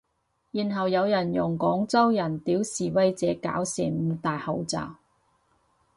然後有人用廣州人屌示威者搞事唔戴口罩